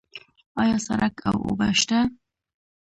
آیا سړک او اوبه شته؟